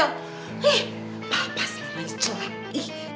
ih papa sebenarnya celak